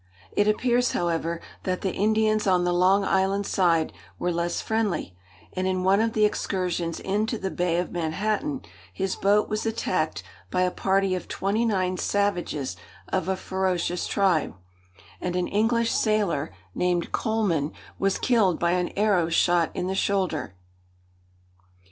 It appears, however, that the Indians on the Long Island side were less friendly; and in one of the excursions into the Bay of Manhattan, his boat was attacked by a party of twenty nine savages of a ferocious tribe, and an English sailor, named Colman, was killed by an arrow shot in the shoulder.